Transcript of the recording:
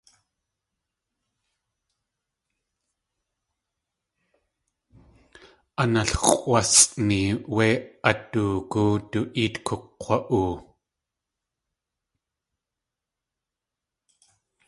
Analx̲ʼwásʼni wé at doogú du éet kuk̲wa.oo.